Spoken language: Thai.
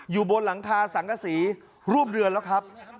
อยู่บนหลังคาสังกษีร่วมเดือนแล้วครับ